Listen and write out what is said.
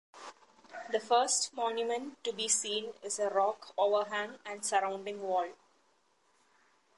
The first monument to be seen is a rock overhang and surrounding wall.